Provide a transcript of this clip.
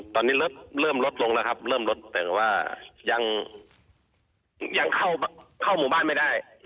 ตอนนี้เริ่มลดลงแล้วครับเริ่มลดแต่ว่ายังเข้าหมู่บ้านไม่ได้